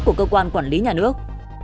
của cơ quan quản lý nhà nước